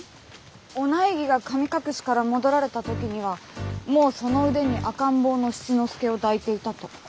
お内儀が神隠しから戻られたときにはもうその腕に赤ん坊の七之助を抱いていたと。